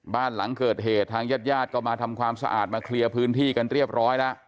บ้านหลังเกิดเหตุทางญาติญาติก็มาทำความสะอาดมาเคลียร์พื้นที่กันเรียบร้อยแล้ว